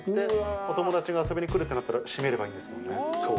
お友達が遊びに来るってなったら閉めればいいんですもんね。